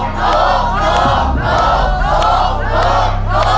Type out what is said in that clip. ถูกครับ